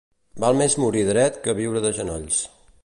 Val més morir dret que viure de genolls.